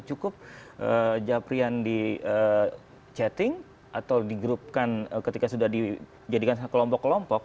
cukup japrian di chatting atau di grupkan ketika sudah dijadikan kelompok kelompok